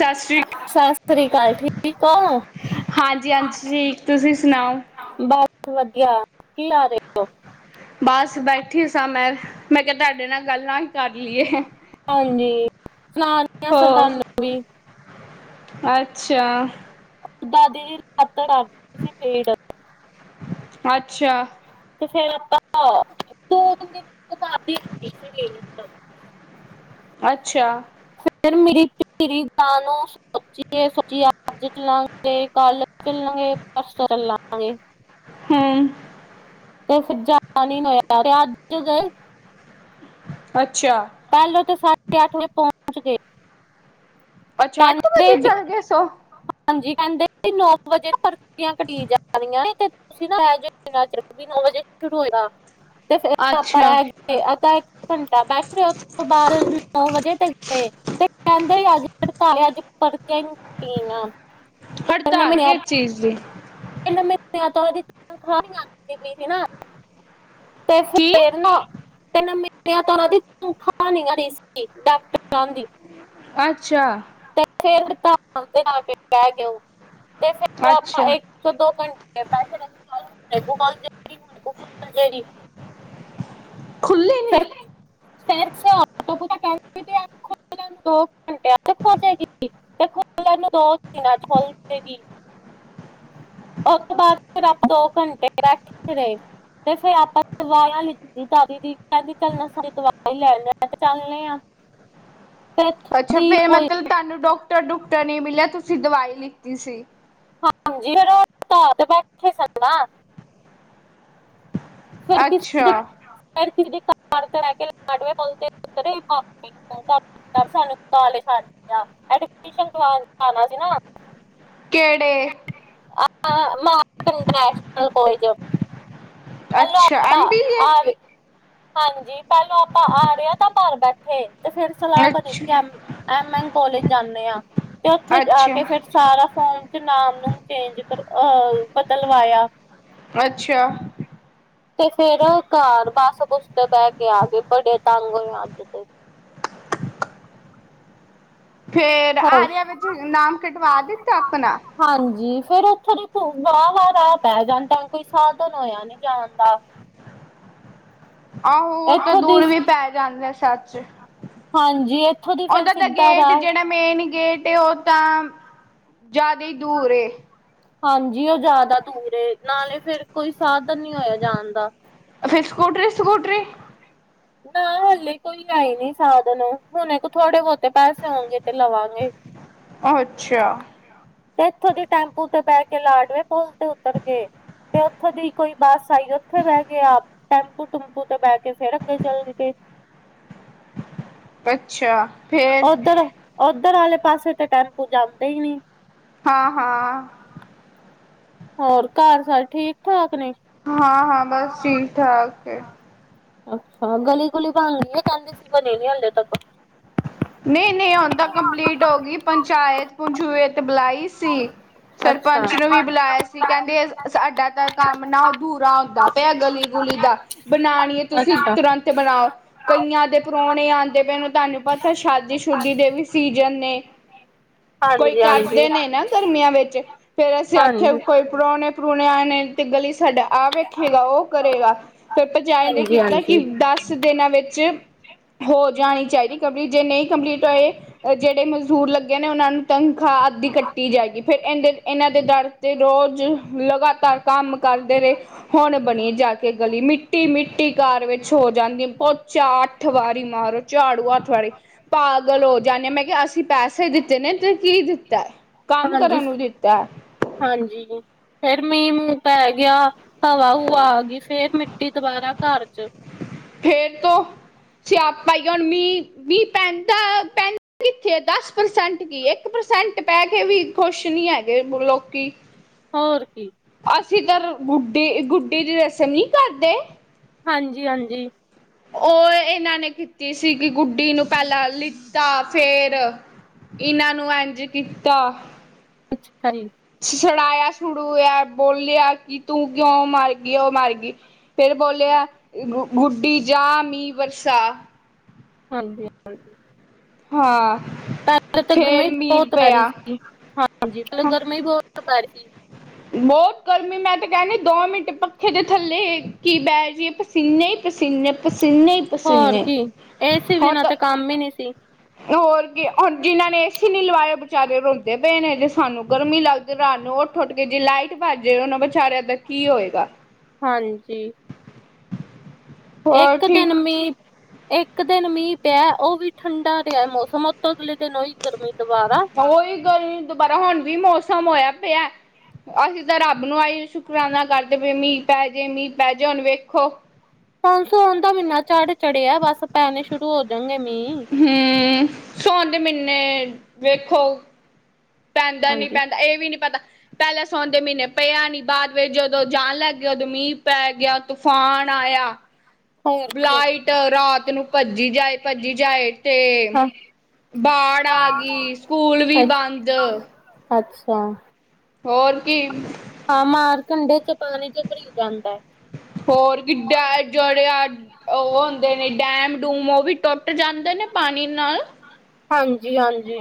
ਸਤਿ ਸ਼੍ਰੀ ਸਤਿ ਸ੍ਰੀ ਅਕਾਲ ਠੀਕ ਹੋ? ਹਾਂਜੀ ਹਾ ਹਾਂਜੀ ਠੀਕ ਤੁਸੀਂ ਸੁਣਾਓ ਬਸ ਵਧੀਆ ਕੀ ਕਰ ਰਹੇ ਹੋ? ਬਸ ਬੈਠੀ ਸਾਂ ਮੈਂ-ਮੈਂ ਕਿਹਾ, ਤੁਹਾਡੇ ਨਾਲ ਗੱਲਾਂ ਹੀ ਕਰ ਲਈਏ। ਹਾਂਜੀ, ਸੁਣਾਨਿਆ ਸੀ ਹੋਰ ਤੁਹਾਨੂੰ ਵੀ ਅੱਛਾ। ਦਾਦੀ ਜੀ ਲੱਤ ਕਰਦੀ ਸੀ ਪੀੜ। ਅੱਛਾ। ਤੇ ਫੇਰ ਆਪਾਂ ਦੇ-ਤਿਨ ਦਿਨ ਘਰ ਦੀ ਸੀ [unintelligible] ਅੱਛਾ। ਫਿਰ ਮੇਰੀ ਧੀਰੀ ਨੂੰ ਸੋਚੀਏ- ਸੋਚੀਏ ਅੱਜ ਚੱਲਾਂਗੇ, ਕੱਲ ਚੱਲਾਂਗੇ, ਪਰਸੋਂ ਚੱਲਾਂਗੇ। ਹੂੰ। ਤੇ ਫਿਰ ਜਾਣ ਨੀ ਹੋਇਆ ਅੱਜ ਤੇ ਚਲ। ਅੱਛਾ। ਕੱਲ ਉੱਥੇ ਸਾਡੇ ਆਠ ਵਜੇ ਪਹੁੰਚ ਗਏ। ਅੱਛਾ ਅੱਠ ਕਹਿੰਦੇ ਵਜੇ ਵੀ ਚੱਲ ਗਏ ਸੋ ਹਾਂਜੀ ਕਹਿੰਦੇ ਤੇ ਨੌ ਵਜੇ ਪਰਚੀਆਂ ਕਟੀ ਜਾਣੀਆਂ ਤੇ ਤੁਸੀਂ ਨਾ ਆ ਜਾਨਾ ਚਿਰ ਵੀ ਨੌ ਵਜੇ ਕਦੋਂ ਹੋਇਆ ਤੇ ਫਿਰ ਆਪਾਂ ਅੱਛਾ ਇਹ ਅੱਧਾ ਇੱਕ ਘੰਟਾ ਬੈਠ ਰਹੇ ਹੋ ਉਸ ਤੋਂ ਬਾਅਦ ਨੌ ਵਜੇ ਤੇ ਗਏ ਤੇ ਕਹਿੰਦੇ ਅਜ ਪਤਾ ਨਹੀਂ ਅੱਜ ਪਰਚਿਆ ਹੀ ਕਟੀਨਿਆ। ਹੜਤਾਲ ਕਿਸ ਇਸ ਚੀਜ਼ ਦੀ? ਕਹਿੰਦਾ ਮੇਰੀ ਐਤਵਾਰ ਦੀ ਤਨਖਾਹ ਨੀ ਆਂਦੀ ਮੇਰੀ ਨਾ ਤੇ ਕੀ ਫਿਰ ਨਾ ਤ ਇਸ ਮਹੀਨੇ ਉਹਨਾਂ ਦੀ ਤਨਖਾ ਨੀ ਆਈ ਇਸੀ ਡਾਕਟਰਹਿ ਦੀ। ਤਾਂ ਅੱਛਾ। ਤੇ ਫਿਰ ਹੜਤਾਲ ਤੇ ਆ ਕੇ ਬਹਿ ਗਓ ਤੇ ਫਿਰ ਆਪਾਂ ਅੱਛਾ ਸੋ ਦੋ ਘੰਟੇ ਬੈਠੇ ਰਹੇ, ਤੇ ਵੀਡੀਓ ਕਾਲ ਜਾਏਗੀ [unintelligible] ਖੁੱਲ੍ਹੇ। ਚਲੇ ਸੈਰ-ਸਪਾਟਾ ਕਰਕੇ ਦੋ ਕੁ ਘੰਟਿਆਂ ਚੁੱਪ ਹੋ ਜਾਏਗੀ ਤੇ ਖੁਲਣ ਨੂੰ ਦੋ ਦਿਨਾ ਚ ਖੁੱਲ ਜਾਏਗੀ। ਉਸ ਤੋਂ ਬਾਅਦ ਫਿਰ ਆਪਾਂ ਦੋ ਘੰਟੇ ਬੈਠੇ ਰਹੇ ਤੇ ਫਿਰ ਆਪਾਂ ਸਲਵਾਰਾਂ ਲਿ ਰੀਟਾ ਦੀਦੀ ਕਹਿਦੀ ਚੱਲਨਾ ਦਵਾਈ ਲੈਣਨੇ ਹਾ, ਮੈਂ ਕਿਹਾ ਚੱਲਣੇ ਆ। ਤੇ ਇੱਥੋਂ ਅੱਛਾ, ਦੀ ਫਿਰ ਕੋਈ ਮਤਲਬ ਤੁਹਾਨੂੰ ਡਾਕਟਰ- ਡੁਕਟਰ ਨਹੀਂ ਮਿਲਿਆ ਤੁਸੀਂ ਦਵਾਈ ਲਿੱਤੀ ਸੀ। ਹਾਂਜੀ। [unintelligible] ਖਿਸਕ ਨਾ। ਅੱਛਾ। ਕਿਸੀ ਕਾਰ ਤੇ ਬੈਕੇ ਲਾਢਵੇ ਕੋਲ ਉਤਰੇ ਆਪੇ ਸਾਨੂੰ ਕਾਲ ਛਢਤਾ ਟੀਉਸ਼ਨ ਤੋ ਆਣਾ ਸੀ ਨਾ। ਕਿਹੜੇ? ਆਪਾ ਮਹਾ ਇੰਟਰਨੈਸ਼ਨਲ ਕਾਲੇਜ। ਚਲੋ ਅੱਛਾ ਆਪਾ ਐਮ ਬੀ ਏ ਆ ਗਏ। ਹਾਂਜੀ, ਪਹਿਲੇ ਆਪਾਂ ਆ ਰਹੇ ਤਾਂ ਘਰ ਬੈਠੇ ਤੇ ਫਿਰ ਸਲਾਹ ਬਣੀ ਕਿ ਅੱਛਾ ਬਿ ਐਮ ਐਨ ਕਾਲਜ ਜਾਂਦੇ ਆਂ ਤੇ ਉੱਥੇ ਜਾ ਅੱਛਾ, ਕੇ ਫਿਰ ਸਾਰਾ ਫਾਰਮ ਚੱ ਨਾਂਮ-ਨੂੰਮ ਚੇਂਜ ਕਰ ਅ ਬਦਲਵਾਇਆ। ਅੱਛਾ ਤੇ ਫਿਰ ਘਰ ਬੱਸ ਬੁਸ ਤੇ ਬਹਿ ਕੇ ਆ ਗਏ ਬੜੇ ਤੰਗ ਹੋਏ ਅੱਜ ਤੇ ਫਿਰ ਹੋਰ ਆਰਿਆ ਵਿੱਚ ਨਾਂਮ ਕਟੱਵਾ ਦਿੱਤਾ ਆਪਣਾ ਹਾਂਜੀ ਫੇਿਰ ਉੱਥੇ ਦੇ ਵਾਹ ਵਾਹ ਰਾਹ ਪੈ ਜਾਂਦਾ। ਕੋਈ ਸਾਧਨ ਹੋਇਆ ਨੀ ਜਾਣਦਾ। ਆਹੋ ਉਹ ਤਾਂ ਇੱਥੋਂ ਦੀ ਦੂਰ ਵੀ ਪੈ ਜਾਂਦਾ ਆ ਸੱਚ। ਹਾਂਜੀ। ਦੀ ਫੇਰ ਉਹਦਾ ਦਾ ਸਿੱਧਾ ਗੇਟ ਰਾਹ ਜਿਹੜਾ ਮੇਨ ਗੇਟ ਉਹ ਤਾਂ ਜ਼ਿਆਦਾ ਹੀ ਦੂਰ ਏ। ਹਾਂਜੀ ਉਹ ਜ਼ਿਆਦਾ ਦੂਰ ਏ ਨਾਲੇ ਫਿਰ ਕੋਈ ਸਾਧਨ ਨਹੀਂ ਹੋਇਆ ਜਾਣਦਾ। ਫੇਰ ਸਕੂਟਰੀ ਸਕੂਟਰੀ। ਨਾ ਹਾਲੇ ਕੋਈ ਹੈ ਹੀ ਨੀ ਸਾਧਨ ਹੁਣ ਥੋੜੇ ਬਹੁਤੇ ਪੈਸੇ ਆਗੇ ਤੇ ਲਵਾਂਗੇ। [unintelligible] ਅੱਛਾ। ਤੇ ਇੱਥੋਂ ਦੀ ਟੈਂਪੂ ਤੇ ਬਹਿ ਕੇ ਲਾਡਵੇ ਪੇਲ ਤੇ ਉਤੱਰ ਗਏ। ਤੇ ਉੱਥੋਂ ਦੀ ਕੋਈ ਬੱਸ ਆਈ ਉੱਥੇ ਬੈ ਗੇ ਆਪ। ਟੈਂਪੂ ਟੇਂਪੂ ਤੇ ਬਹਿ ਕੇ ਫਿਰ ਅੱਗੇ ਚੱਲ ਗੇ ਅੱਛਾ ਫੇਰ ਉੱਧਰ ਉੱਧਰ ਆਲੇ ਪਾਸੇ ਤੇ ਟੈਂਪੂ ਜਾਂਦੇ ਹੀ ਨਹੀਂ। ਹਾਂ ਹਾਂ। ਹੋਰ ਘਰ ਸਾਰੇ ਠੀਕ ਠਾਕ ਨੇ। ਹਾਂ ਹਾਂ ਬੱਸ ਠੀਕ ਠਾਕ ਐ। ਅੱਛਾ ਗੱਲੀ ਗੁੱਲੀ ਬਣ ਗਈ ਹੈ? ਕਹਿਦੇ ਸੀ ਬਣੀ ਨੀ ਹਲੇ ਤੱਕ। ਨਹੀਂ ਨਹੀਂ ਹੁਣ ਤਾਂ ਕੰਪਲੀਟ ਹੋ ਗਈ। ਪੰਚਾਇਤ ਪੂੰਚਾਉਤ ਬੁਲਾਈ ਸੀ। ਅੱਛਾ। ਸਰਪੰਚ ਨੂੰ ਵੀ ਬੁਲਾਇਆ ਸੀ। ਕਹਿੰਦੇ ਸਾਂਡਾ ਤਾਂ ਕੰਮ ਨਾ ਅਧੂੱਰਾ ਹੁੰਦਾ ਪਿਆ ਗੱਲੀ ਗੁੱਲੀ ਦਾ ਬਣਾਣੀਆਂ ਤੁਸੀਂ ਅੱਛਾ। ਤੁਰੰਤ ਬਣਾਓ। ਕਈਆਂ ਦੇ ਪ੍ਰਾਹੁਣੇ ਆਉਂਦੇ ਪਏ। ਤੁਹਾਨੂੰ ਪੱਤਾ ਤਾਂ ਸ਼ਾਦੀ ਸ਼ੁਦੀ ਦੇ ਵੀ ਸੀਜਨ ਨੇ ਕੋਈ ਹਾਂਜੀ ਹਾਂਜੀ। ਕਰਦੇ ਨੇ ਨਾਂ। ਗਰਮੀਆਂ ਵਿੱਚ ਫਿਰ ਅਸੀਂ ਆਖਿਆ ਹਾਂਜੀ। ਕੋਈ ਪ੍ਰਾਹੁਣੇ ਪ੍ਰਹੁਣੇ ਆਨੇ। ਤੇ ਗੱਲੀ ਸਾਡਾ ਆਵੇ ਸੇਵਾ ਉਹ ਕਰੇਗਾ ਫਿਰ ਭਜਾਏ ਨੇ ਹਾਂਜੀ ਕੀਤਾ ਕਿ ਹਾਂਜੀ। ਦੱਸ ਕੁੱਛ ਦਿਨਾਂ ਵਿੱਚ ਹੋ ਜਾਣੀ ਚਾਹੀਦੀ ਕੰਪਲੀਟ। ਜੇ ਨਹੀਂ ਕੰਪਲੀਟ ਹੋਏ। ਜਿਹੜੇ ਮਜ਼ਦੂਰ ਲੱਗੇ ਨੇ ਉਹਨਾਂ ਨੂੰ ਤਨਖਾਹ ਆਦਿ ਕੱਟੀ ਜਾਏਗੀ। ਫਿਰ ਇਹਦੇ ਇਹਨਾਂ ਦੇ ਡੱਰ ਤੇ ਰੋਜ਼ ਲਗਾਤਾਰ ਕੰਮ ਕਰਦੇ ਰਹੇ। ਹੁਣ ਬਣੀ ਜਾ ਕੇ ਗਲੀ ਮਿੱਟੀ ਮਿੱਟੀ ਘਰ ਵਿੱਚ ਹੋ ਜਾਂਦੀ। ਬਹੁੱਤ ਚਾਹੇ ਅੱਠ ਵਾਰੀ ਮਾਰੋ ਝਾੜੂ ਹੱਥ ਸਾਰੇ ਪਾਗਲ ਹੋ ਜਾਂਦੇ। ਮੈਂ ਕਿਹਾ ਅਸੀਂ ਪੈਸੇ ਦਿੱਤੇ ਨੇ ਤੇ ਕੀ ਦਿੱਤਾ। ਕੰਮ ਕਰਨ ਨੂੰ ਹਾਂਜੀ। ਦਿੱਤਾ ਹਾਂਜੀ। ਫਿਰ ਮੀਂਹ ਮੂੰਹ ਪੈ ਗਿਆ। ਹਵਾ ਹੋਵਾ ਆ ਗਈ ਫਿਰ ਮਿੱਟੀ ਦੁਬਾਰਾ ਘਰ ਚ ਫਿਰ ਤੋਂ ਸਿਆਪਾ ਹੀ ਹੈ। ਹੁਣ ਮੀਂਹ, ਮੀਂਹ ਪੈਂਦਾ ਪੈਂ ਇਥੇ ਦਸ ਪ੍ਰਸੈਂਟ ਕੀ ਇੱਕ ਪ੍ਰਸੈਂਟ ਪੈ ਕੇ ਵੀ ਖੁਸ਼ ਨੀ ਹੈਗੇ ਲੋਕੀ ਹੋਰ ਕੀ। ਅਸੀਂ ਤਾਂ ਬੁੱਡੇ ਗੁੱਟੀ ਦੀ ਰਸਮ ਨਹੀਂ ਕਰਦੇ। ਹਾਂਜੀ, ਹਾਂਜੀ। ਉਹ ਇਹਨਾਂ ਨੇ ਕੀਤੀ ਸੀ ਕਿ ਗੁੱਡੀ ਨੂੰ ਪਹਿਲਾਂ ਲਿੱਤਾ ਫੇਰ। ਇਹਨਾਂ ਨੂੰ ਇੰਝ ਕੀਤਾ। [unintelligible] ਸੁੜਾਇਆ ਸੁੜੂਆ ਬੋਲਿਆ ਕਿ ਤੂੰ ਕਿਉਂ ਮਰਗਈ ਉਹ ਮਰ ਗਈ ਫਿਰ ਬੋਲਿਆ ਗੁੱਡੀ ਜਾ ਮੀਂਹ ਬਰਸਾ। ਹਾਂਜੀ। ਹਾਂਜੀ। ਹਾਂ। ਪਹਿਲਾਂ ਫੇਰ ਗਰਮੀ ਮੀਂਹ ਬਹੁਤ ਪੈ ਰਹੀ ਪਿਆ ਸੀ। ਹਾਂਜੀ ਗਰਮੀ ਬਹੁਤ ਪੈ ਰਹੀ ਸੀ। ਬਹੁਤ ਗਰਮੀ। ਮੈਂ ਤਾਂ ਕਹਿੰਦੀ ਦੋ ਮਿੰਟ ਪੱਖੇ ਥੱਲੇ ਕੀ ਬੇਜੀਏ ਪਸੀਨੇ ਹੀ ਪਸੀਨੇ, ਪਸੀਨੇ ਹੋਰ ਪਸੀਨੇ ਕੀ ਏ ਸੀ ਹੁਣ ਬਿਨਾਂ ਤਾਂ ਤੇ ਕੰਮ ਹੀ ਨੀ ਸੀ। ਹੋਰ ਕੀ ਹੁਣ ਜਿਨਾਂ ਨੇ ਏਸੀ ਨੀ ਲਵਾਏ ਵਿਚਾਰੇ ਰੋਂਦੇ ਪਏ ਨੇ ਜੇ ਸਾਨੂੰ ਗਰਮੀਂ ਲੱਗ ਰਾਤ ਨੂੰ ਉੱਠ-ਉੱਠ ਕੇ ਜੇ ਲਾਈਟ ਭਜ ਜਾਏ ਉਹਨਾਂ ਵਿਚਾਰਿਆਂ ਕੀ ਹੋਏਗਾ। ਹਾਂਜੀ ਹੋਰ ਇੱਕ ਠੀਕ ਦਿਨ ਮੀਂਹ ਇੱਕ ਦਿਨ ਮੀਂਹ ਪਿਆ ਉਹ ਵੀ ਠੰਡਾ ਰਿਹਾ ਮੌਸਮ ਉਤੋਂ ਅਗਲੇ ਦਿਨ ਹੀ ਗਰਮੀ ਦੁਬਾਰਾ। ਉਹੀ ਗਰਮੀ ਦੁਬਾਰਾ ਹੁਣ ਵੀ ਮੌਸਮ ਹੋਇਆ ਪਿਆ। ਅਸੀਂ ਤਾਂ ਰੱਬ ਨੂੰ ਆਈ ਸ਼ੁਕਰਾਨਾ ਕਰਦੇ ਵੀ ਮੀਂਹ ਪੈ ਜੇ ਮੀਂਹ ਪੈ ਜੇ ਹੁਣ ਵੇਖੋ। ਮਾਨਸੂਨ ਦਾ ਮਹੀਨਾ ਚੜ ਚੜਿਆ ਬਸ ਪੈੇਨੇ ਸ਼ੁਰੂ ਹੋ ਜਾਣਗੇ ਮੀਂਹ। ਹਮ ਸੋਣ ਦੇ ਮਹੀਨੇ ਵੇਖੋ ਪੈਂਦਾ ਨੀ ਹਾਂਜੀ ਪੈਂਦਾ ਇਹ ਵੀ ਨੀ ਪਤਾ। ਪਹਿਲਾਂ ਸਾਵਣ ਦੇ ਮਹੀਨੇ ਪਿਆ ਨੀ ਬਾਅਦ ਵਿੱਚ ਜਦੋਂ ਜਾਣ ਲੱਗ ਗ ਉਦੋਂ ਮੀਂਹ ਪੈ ਗਿਆ ਤੂਫਾਨ ਆਇਆ। ਹੋਰ ਕੀ ਲਾਈਟ ਰਾਤ ਨੂੰ ਭੱਜੀ ਜਾਏ ਭੱਜੀ ਜਾਏ ਤੇ ਹਾਂ ਬਾੜ ਆ ਗੀ ਸਕੂਲ ਵੀ ਅੱਛ ਬੰਦ। ਅੱਛਾ ਹੋਰ ਕੀ। ਹਾਂ ਮਾਰਕੰਢੇ ਚ ਪਾਣੀ ਚ ਭਰੀ ਜਾਂਦਾ। ਹੋਰ ਕਿ [unintelligible] ਉਹ ਹੁੰਦੇ ਨੇ ਡੈਮ-ਡੂਮ ਉਹ ਵੀ ਟੁੱਟ ਜਾਂਦੇ ਨੇ ਪਾਣੀ ਨਾਲ। ਹਾਂਜੀ-ਹਾਂਜੀ।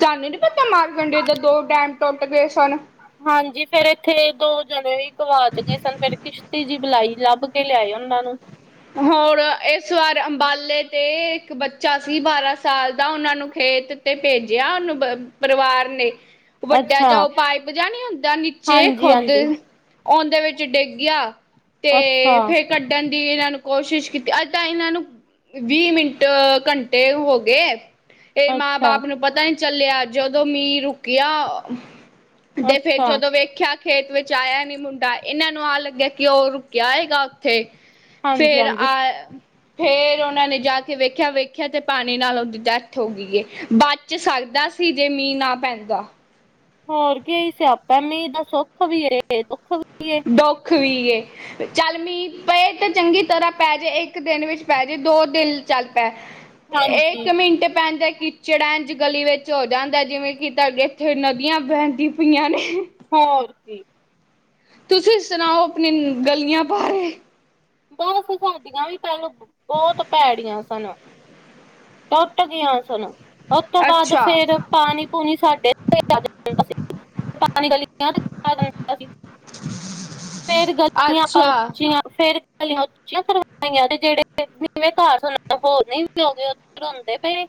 ਤੁਹਾਨੂੰ ਨੀ ਪਤਾ ਮਾਰਕੰਢੇ ਦੇ ਦੋ ਡੈਮ ਟੁੱਟ ਗਏ ਸਨ। ਹਾਂਜੀ ਫੇਰ ਇੱਥੇ ਦੋ ਜਣੇ ਵੀ ਗਵਾਚ ਗਏ ਸਨ ਫਿਰ ਕਿਸ਼ਤੀ ਜੀ ਬੁਲਾਈ ਲੱਭ ਕੇ ਲਿਆਏ ਉਹਨਾਂ ਨੂੰ। ਹੋਰ ਇਸ ਵਾਰ ਅੰਬਾਲੇ ਤੇ ਇੱਕ ਬੱਚਾ ਸੀ ਬਾਰਾਂ ਸਾਲ ਦਾ ਉਹਨਾਂ ਨੂੰ ਖੇਤ ਤੇ ਭੇਜਿਆ ਉਹਨੂੰ ਪਰਿਵਾਰ ਨੇ। ਵੱਡਾ ਅੱਛਾ ਜਾ ਓ ਪਾਈਪ ਜਾ ਨਹੀਂ ਹੁੰਦਾ ਨੀਚੇ ਹਾਂਜੀ ਖੁਦ ਹਾਂਜੀ ਉਹਦੇ ਵਿੱਚ ਡਿੱਗ ਗਿਆ ਅੱਛਾ ਤੇ ਫੇਰ ਕੱਢਣ ਦੀ ਇਹਨਾਂ ਨੂੰ ਕੋਸ਼ਿਸ਼ ਕੀਤੀ ਅੱ ਤਾਂ ਇਹਨਾਂ ਨੂੰ ਵੀਹ ਮਿੰਟ ਘੰਟੇ ਹੋ ਗੇ। ਇਹ ਮਾਂ ਅੱਛਾ। ਬਾਪ ਨੂੰ ਪਤਾ ਹੀ ਨਹੀਂ ਚੱਲਿਆ ਜਦੋਂ ਮੀਂਹ ਰੁਕਿਆ ਤੇ ਫੇਰ ਅੱਛਾ ਜਦੋਂ ਵੇਖਿਆ ਖੇਤ ਵਿੱਚ ਆਇਆ ਨੀ ਮੁੰਡਾ ਇਹਨਾਂ ਨੂੰ ਆ ਲੱਗਿਆ ਕਿ ਉਹ ਰੁਕਿਆ ਹੈਏਗਾ ਉੱਥੇ। ਹਾਂਜੀ ਫੇਰ ਹਾਂਜੀ। ਆ ਫੇਰ ਉਹਨਾ ਨੇ ਜਾ ਕੇ ਵੇਖਿਆ-ਵੇਖਿਆ ਤੇ ਪਾਣੀ ਨਾਲ ਉਹਦੀ ਡੈਥ ਹੋ ਗਈ ਹੈ ਬ ਚ ਸਰਦਾ ਸੀ ਜੇ ਮੀਂਹ ਨਾ ਪੈਂਦਾ। ਹੋਰ ਕੀ ਸਿਆਪਾ ਮੀਂਹ ਦਾ ਸੁੱਖ ਵੀ ਦੁੱਖ ਵੀ ਏ। ਦੁੱਖ ਵੀ ਹੈ। ਚੱਲ ਮੀਂਹ ਪਏ ਤੇ ਚੰਗੀ ਤਰ੍ਹਾਂ ਪੈ ਜੇ ਇੱਕ ਦਿਨ ਵਿੱਚ ਪੈ ਜੇ ਦੋ ਦਿਨ ਚੱਲ ਪੈ। ਇੱਕ ਹਾਂਜੀ ਮਿੰਟ ਪੈਂਦਾ ਕਿ ਕਿਚੜ ਏਂਜ ਗਲੀ ਵਿੱਚ ਹੋ ਜਾਂਦਾ ਜਿਵੇਂ ਕਿ ਤੁਹਾਡੇ ਇੱਥੇ ਨਦੀਆਂ ਬਹਿੰਦੀਆਂ ਪਈਆਂ ਨੇ। ਹੋਰ ਕੀ। ਤੁਸੀਂ ਸੁਣਾਓ ਆਪਨੀ ਗਲੀਆਂ ਬਾਰੇ ਬਸ ਸਾਡੀਆਂ ਵੀ ਪਹਿਲ ਬਹੁਤ ਭੈੜੀਆਂ ਸਨ। ਟੁੱਟ ਗਈਆਂ ਸਨ, ਉਸ ਤੋਂ ਬਾਅਦ ਅੱਛਾ, ਫੇਰ ਪਾਣੀ ਧਣੀ ਸਾਡੇ [unintelligible] ਪਾਣੀ ਗਲੀਆ ਅੱਛਾ [inaudible] ਗਲੀਆਂ ਉੱਚੀਆਂ ਕਰਵਾਈਆਂ ਤੇ ਜੇੜੇ ਨੀਵੇਂ ਘਰ ਸਨ ਉਹ ਹੋਰ ਨੀਵੇਂ ਹੋ ਗਏ ਉਹ ਰੋਂਦੇ ਪਏ ਨੇ।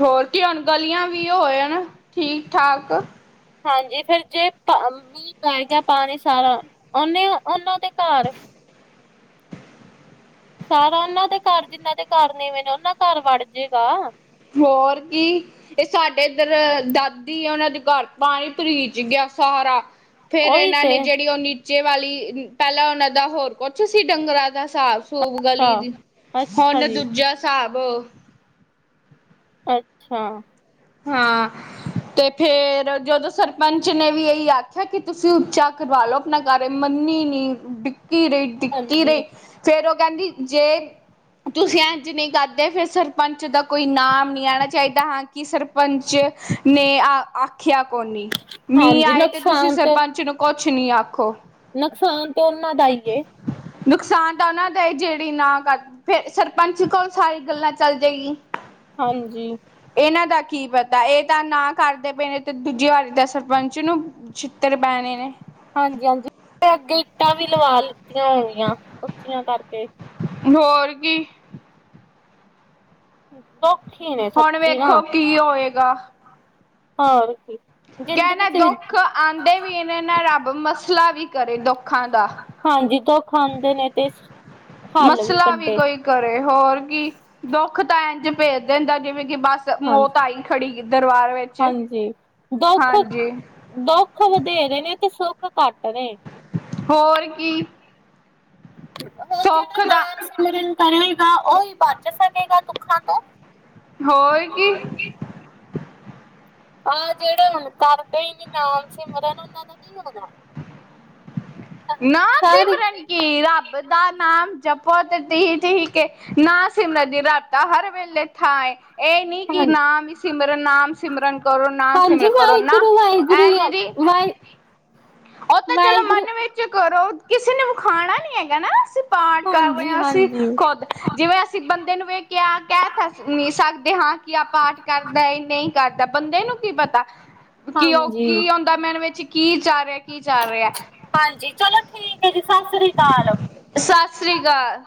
ਹੋਰ ਕਿ ਹੁਣ ਗਲੀਆਂ ਵੀ ਹੋਏ ਹਨ ਠੀਕ-ਠਾਕ। ਹਾਂਜੀ ਫੇਰ ਜੇ ਮੀਹ ਪੈ ਗਿਆ ਪਾਣੀ ਸਾਰਾ ਉਹਨਾਂ ਦੇ ਘਰ ਸਾਰਾ ਉਹਨਾਂ ਦੇ ਘਰ ਜਿੰਨਾਂ ਦੇ ਘਰ ਨੀਵੇਂ ਉਹਨਾ ਘਰ ਵੜ ਜੇਗਾ। ਹੋਰ ਕੀ। ਇਹ ਸਾਡੇ ਇੱਧਰ ਦਾਦੀ ਆ, ਉਹਨਾਂ ਦੇ ਘਰ ਪਾਣੀ ਭਰੀਚ ਗਿਆ ਸਾਰਾ। ਫੇਰ ਉਹੀ ਇਹਨਾਂ ਤੇ ਨੇ, ਜਿਹੜੀ ਉਹ ਨੀਚੇ ਵਾਲੀ ਪਹਿਲਾਂ ਉਹਨਾਂ ਦਾ ਹੋਰ ਕੁਛ ਸੀ, ਡੰਗਰਾਂ ਦਾ? ਹਿਸਾਬ ਸੂਬ ਅੱਛਾ ਗਲੀ, ਅੱਛਾ ਹੁਣ ਜੀ ਦੂਜਾ ਹਿਸਾਬ ਅੱਛਾ। ਹਾਂ। ਤੇ ਫੇਰ ਜਦੋਂ ਸਰਪੰਚ ਨੇ ਵੀ ਇਹੀ ਆਖਿਆ, ਕਿ ਤੁਸੀਂ ਉੱਚਾ ਕਰਵਾ ਲਉ। ਕਰ ਮੰਨੀ ਨਹੀਂ, ਡਿੱਕੀ ਰਹੀ, ਡਿੱਕੀ ਰਹੀ ਹਾਂਜੀ ਫੇਰ ਉਹ ਕਹਿੰਦੀ ਜੇ ਤੁਸੀਂ ਇੰਜ ਨਹੀਂ ਕਰਦੇ, ਫਿਰ ਸਰਪੰਚ ਦਾ ਕੋਈ ਨਾਮ ਨਹੀਂ ਆਉਣਾ ਚਾਹੀਦਾ, ਹਾਂ ਕਿ ਸਰਪੰਚ ਨੇ ਆਖਿਆ ਕੋਨੀ, ਮੀਂਹ ਹਾਂਜੀ ਆਏ ਤੇ ਤੁਸੀਂ ਨੁਕਸਾਨ ਤੇ ਸਰਪੰਚ ਨੂੰ ਕੁਛ ਨਹੀਂ ਆਖੋ। ਨੁਕਸਾਨ ਤਾਂ ਉਹਨਾਂ ਦਾ ਹੀ, ਏ। ਨੁਕਸਾਨ, ਤਾਂ ਉਹਨਾਂ ਦਾ ਜੇਹੜੀ ਨਾ ਕਰ ਫੇਰ ਸਰਪੰਚ ਕੋਲ, ਸਾਰੀ ਗੱਲਾਂ ਚੱਲ ਜਾਏਗੀ ਹਾਂਜੀ। ਇਹਨਾਂ ਦਾ ਕੀ ਪਤਾ, ਇਹ ਤਾਂ ਨਾ ਕਰਦੇ ਪਏ ਨੇ, ਤੇ ਦੂਜੀ ਵਾਰੀ ਦਾ ਸਰਪੰਚ ਨੂੰ ਛਿਤਰ ਪੈਣੇ ਨੇ। ਹਾਂਜੀ- ਹਾਂਜੀ, ਅੱਗੇ ਇੱਟਾਂ ਵੀ ਲਵਾ ਲਿੱਤੀਆਂ ਹੋਣਗੀਆਂ, ਉੱਚੀਆਂ ਕਰਕੇ। ਹੋਰ ਕੀ। ਦੁਖ ਈ ਨੇ ਹੁਣ ਸੱਚੀ ਨਾ, ਵੇਖੋ ਕੀ ਹੋਏਗਾ ਹੋਰ ਕੀ ਜ਼ਿੰਦਗੀ ਕਹਿਣਾ ਚ ਵੀ ਦੁੱਖ ਆਉਂਦੇ ਵੀ ਨੇ ਨਾ, ਰੱਬ ਮਸਲਾ ਵੀ ਕਰੇ ਦੁੱਖਾਂ ਦਾ। ਹਾਂਜੀ, ਦੁੱਖ ਆਉਂਦੇ ਨੇ ਤੇ ਹੱਲ ਵੀ ਮਸਲਾ ਕੱਢੇ। ਕੋਈ ਕਰੇ ਹੋਰ ਕੀ, ਦੁੱਖ ਤਾਂ ਇੰਝ ਭੇਜ ਦਿੰਦਾ, ਜਿਵੇਂ ਕਿ ਬਸ ਹਾਂਜੀ। ਮੌਤ, ਆਈ ਖੜੀ ਦਰਬਾਰ ਵਿੱਚ ਹਾਂਜੀ। ਦੁੱਖ ਹਾਂਜੀ। ਦੁੱਖ ਵਧੇਰੇ ਨੇ ਤੇ, ਸੁੱਖ ਘੱਟ ਨੇ ਹੋਰ ਕੀ। ਹੁਣ ਸੁੱਖ ਜਿਹੜਾ ਦਾ ਨਾਮ ਸਿਮਰਨ ਕਰੇਗਾ, ਉਹ ਹੀ ਬਚ ਸਕੇਗਾ ਦੁੱਖਾਂ ਤੋਂ ਹੋਰ ਕੀ। ਆਹ ਜਿਹੜੇ ਹੁਣ ਕਰਦੇ ਹੀ ਨਹੀਂ, ਨਾਮ ਸਿਮਰਨ ਉਹਨਾਂ ਦਾ ਨੀ ਹੋਣਾ। ਸਾਰੇ [unintelligible] ਕਿ ਰੱਬ ਦਾ ਨਾਮ ਜਪੋ ਤ ਠੀਕ- ਠੀਕ ਏ, ਨਾਮ ਸਿਮਰ ਦੀ ਰਾਤਾਂ ਹਰ ਵੇਲੇ ਹਾਏ ਇਹ ਨਹੀਂ ਕਿ ਹਾਂਜੀ ਨਾਮ ਸਿਮਰਨ, ਨਾਮ ਸਿਮਰਨ ਕਰੋ, ਨਾਮ ਹਾਂਜੀ ਸਿਮਰਨ ਕਰੋ, ਨਾ ਵਾਹਿਗੁਰੂ ਐ, ਵਾਹਿਗੁਰੂ ਜਿਹੜੀ? ਵਾਹਿ ਉਹ ਤਾਂ ਚਲੋ ਵਾਹਿਗੁਰੂ ਮਨ ਵਿੱਚ ਕਰੋ, ਕਿਸੇ ਨੇ ਵਿਖਾਣਾ ਨੀ ਹੈਗਾ ਨਾ ਪਾਠ ਕਰ ਰਹੇ ਹਾਂਜੀ ਆ, ਅਸੀ ਹਾਂਜੀ ਖੁਦ। ਜਿਵੇਂ ਅਸੀਂ ਬੰਦੇ ਨੂੰ ਵੇ ਕਿਹਾ, ਕਹਿ ਤਾਂ ਨੀ ਸਕਦੇ ਹਾਂ ਕਿ ਆ ਪਾਠ ਕਰਦਾ ਨਹੀਂ। ਘਰ ਦਾ, ਬੰਦੇ ਨੂੰ ਕੀ ਪਤਾ। [inaudible] ਕਿ, ਉਹ ਕੀ ਹੁੰਦਾ ਮਨ ਵਿੱਚ, ਕੀ ਚਲ ਰਿਹਾ ਕੀ ਚੱਲ ਰਿਹਾ ਹਾਂਜੀ, ਚਲੋ ਠੀਕ ਹੈ ਜੀ, ਸਤਿ ਸ੍ਰੀ ਅਕਾਲ ਸੱਸ ਸ੍ਰੀ ਕਾਲ-